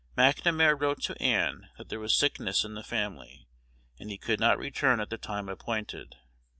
McNamar wrote to Ann that there was sickness in the family, and he could not return at the time appointed.